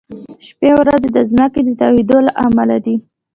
شپې او ورځې د ځمکې د تاوېدو له امله دي.